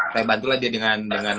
saya bantu lah dia dengan